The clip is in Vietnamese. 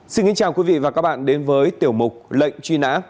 xin kính chào quý vị và các bạn đến với tiểu mục lệnh truy nã